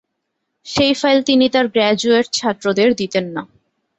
সেই ফাইল তিনি তাঁর গ্রাজুয়েট ছাত্রদের দিতেন না।